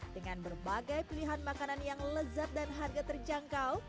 dengan berbagai pilihan makanan yang lezat dan harga terjangkau